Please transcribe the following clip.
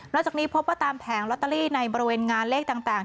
แล้วจากนี้พบว่าตามแผงลอตเตอรี่ในบริเวณงานเลขต่าง